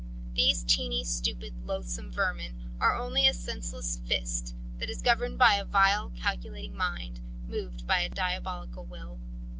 These tiny, stupid, loathsome vermin are only a senseless fist that is governed by a vile, calculating mind, moved by a diabolical will.